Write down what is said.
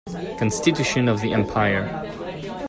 Constitution of the empire.